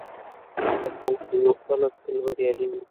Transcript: پخو خویو خلک تل بریالي وي